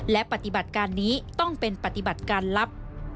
และปฏิบัติการนี้ต้องเป็นปฏิบัติการลับ